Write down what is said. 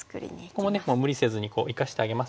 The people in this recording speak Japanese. ここもね無理せずに生かしてあげます。